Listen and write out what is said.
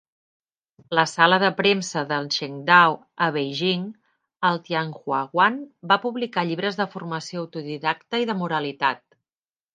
La sala de premsa de Shengdao, a Beijing, el "Tianhuaguan", va publicar llibres de formació autodidacta i de moralitat.